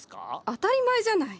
当たり前じゃない！